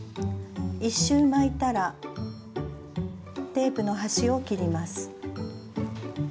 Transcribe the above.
１周巻いたらテープの端を切ります。